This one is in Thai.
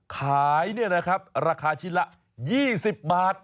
ขายราคาชิ้นละ๒๐บาท